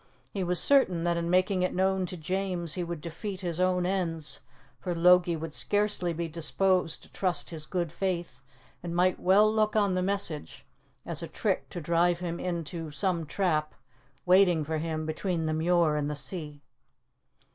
He was certain that in making it known to James he would defeat his own ends, for Logie would scarcely be disposed to trust his good faith, and might well look on the message as a trick to drive him into some trap waiting for him between the Muir and the sea.